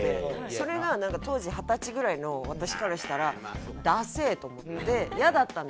それが当時二十歳ぐらいの私からしたらダセえと思ってイヤだったんですよ。